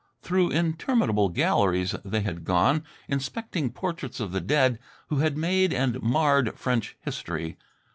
Through interminable galleries they had gone, inspecting portraits of the dead who had made and marred French history